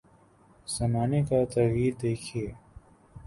زمانے کا تغیر دیکھیے۔